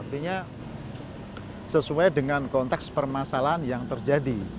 artinya sesuai dengan konteks permasalahan yang terjadi